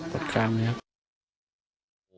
ตัดข้ามนะครับ